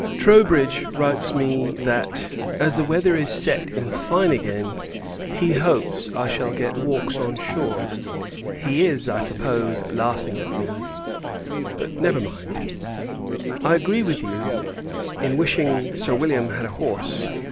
Troubridge writes me that, as the weather is set in fine again, he hopes I shall get walks on shore. He is, I suppose, laughing at me; but, never mind. I agree with you, in wishing Sir William had a horse.